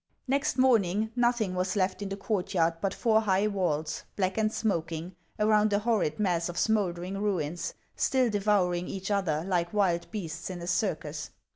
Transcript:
Next morning nothing was left in the courtyard but four high walls, black and smoking, around a horrid mass of smouldering ruins still devouring each other like wild beasts in a circus.